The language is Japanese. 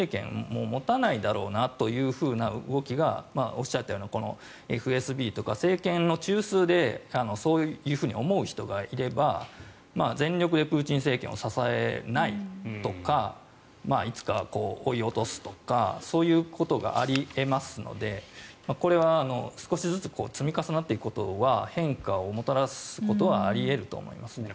もう持たないだろうなというふうな動きがおっしゃったようなＦＳＢとか政権の中枢でそういうふうに思う人がいれば全力でプーチン政権を支えないとかいつか追い落とすとかそういうことがあり得ますのでこれは少しずつ積み重なっていくことは変化をもたらすことはあり得ると思いますね。